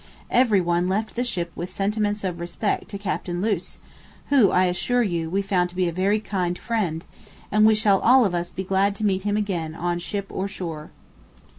Every one left the ship with sentiments of respect to Captain Luce, who, I assure you, we found to be a very kind friend, and we shall all of us be glad to meet him again on ship or shore.